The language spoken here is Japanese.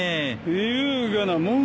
優雅なもんか。